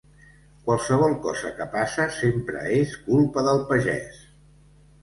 Qualsevol cosa que passa, sempre és culpa del pagès.